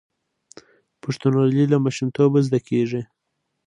پښتونولي له ماشومتوبه زده کیږي.